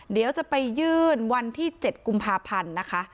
เดี๋ยวจะไปยื่นวันที่๗กุมภาพันธ์นะคะ